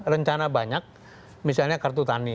rencana banyak misalnya kartu tani